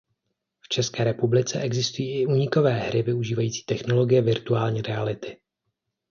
V České republice existují i únikové hry využívající technologie virtuální reality.